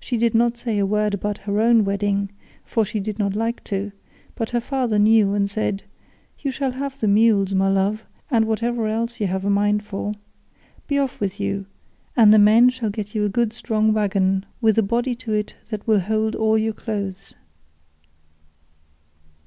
She did not say a word about her own wedding, for she did not like to, but her father knew and said, "You shall have the mules, my love, and whatever else you have a mind for. Be off with you, and the men shall get you a good strong waggon with a body to it that will hold all your clothes."